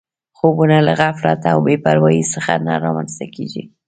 خوبونه له غفلت او بې پروایۍ څخه نه رامنځته کېږي